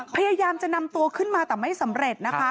พยายามจะนำตัวขึ้นมาแต่ไม่สำเร็จนะคะ